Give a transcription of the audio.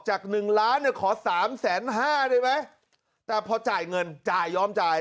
หนึ่งล้านเนี่ยขอสามแสนห้าได้ไหมแต่พอจ่ายเงินจ่ายยอมจ่าย